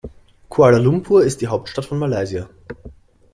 Kuala Lumpur ist die Hauptstadt von Malaysia.